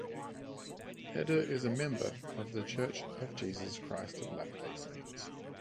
Heder is a member of The Church of Jesus Christ of Latter-day Saints.